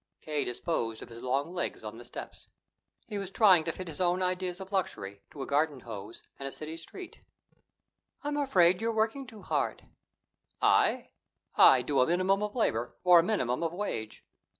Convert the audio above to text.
K. disposed of his long legs on the steps. He was trying to fit his own ideas of luxury to a garden hose and a city street. "I'm afraid you're working too hard." "I? I do a minimum of labor for a minimum of wage.